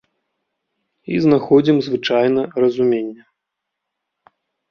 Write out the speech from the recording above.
І знаходзім звычайна разуменне.